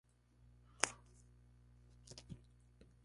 Ambos senadores desmintieron luego estas versiones.